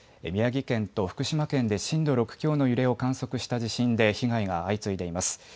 宮城県と福島県で震度６強の揺れを観測した地震で被害が相次いでいます。